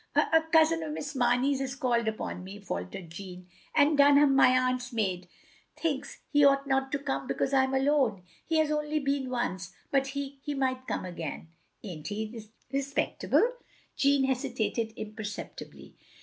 "A — Si cousin of Miss Mamey's has called upon me," faltered Jeanne, "and Dunham, my aunt's maid, thinks he ought not to come because I 'm alone. He has only been once. But he — he might come again." "Ain't he respectable?" Jeanne hesitated imperceptibly.